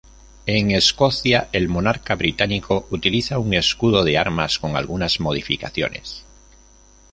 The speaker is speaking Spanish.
En Escocia el monarca británico utiliza un escudo de armas con algunas modificaciones.